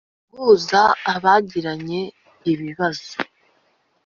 Guhuza abagiranye ibibazo